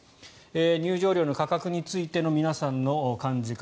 入場料の価格についての皆さんの感じ方。